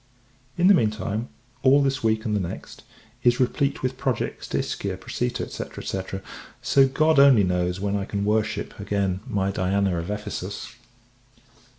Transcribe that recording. In the mean time, all this week and the next, is replete with projects to Ischia, Procita, &c. &c. so God only knows when I can worship, again, my Diana of Ephesus.